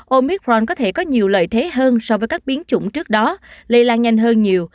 omicron có thể có nhiều lợi thế hơn so với các biến chủng trước đó lây lan nhanh hơn nhiều